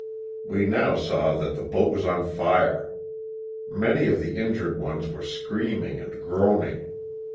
We now saw that the boat was on fire. Many of the injured ones were screaming and groaning.